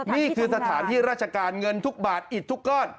นี่คือสถานที่ราชการเงินทุกบาทอิดทุกก้อน